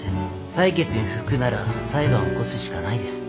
裁決に不服なら裁判を起こすしかないです。